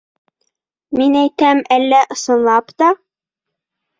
Мин әйтәм, әллә ысынлап та...